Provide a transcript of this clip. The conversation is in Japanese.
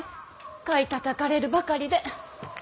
買いたたかれるばかりで。